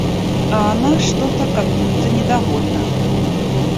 А она что-то как будто недовольна.